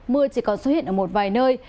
mưa chỉ có xuất hiện ở một vài nơi